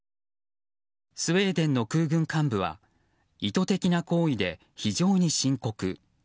スウェーデンの空軍幹部は意図的な行為で非常に深刻。